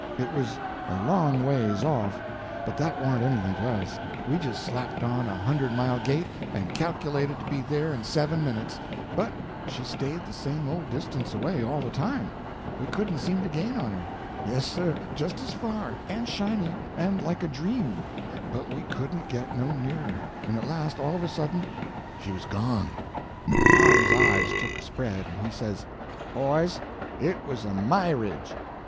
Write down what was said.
It was a long ways off, but that warn't anything to us; we just slapped on a hundred mile gait, and calculated to be there in seven minutes; but she stayed the same old distance away, all the time; we couldn't seem to gain on her; yes, sir, just as far, and shiny, and like a dream; but we couldn't get no nearer; and at last, all of a sudden, she was gone! Tom's eyes took a spread, and he says: "Boys, it was a _my_ridge!"